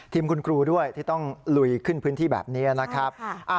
คุณครูด้วยที่ต้องลุยขึ้นพื้นที่แบบนี้นะครับ